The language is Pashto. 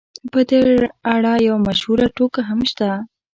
په دې اړه یوه مشهوره ټوکه هم شته.